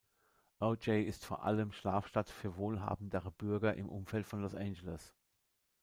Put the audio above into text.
Ojai ist vor allem Schlafstadt für wohlhabendere Bürger im Umfeld von Los Angeles.